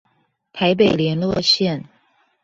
台北聯絡線